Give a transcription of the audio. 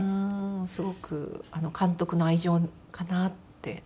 すごく監督の愛情かなって思います。